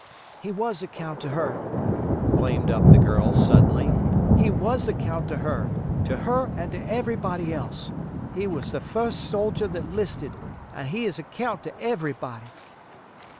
"He was account to her," flamed up the girl, suddenly; "he was account to her, to her and to everybody else. He was the fust soldier that 'listed, and he's account to everybody."